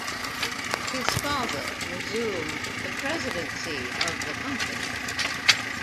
His father resumed the presidency of the company.